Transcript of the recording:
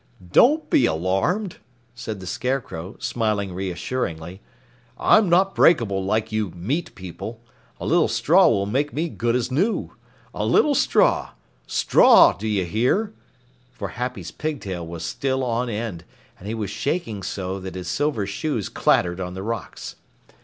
"Don't be alarmed," said the Scarecrow, smiling reassuringly. "I'm not breakable like you meat people. A little straw will make me good as new. A little straw straw, do you hear?" For Happy's pigtail was still on end, and he was shaking so that his silver shoes clattered on the rocks.